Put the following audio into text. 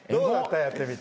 やってみて。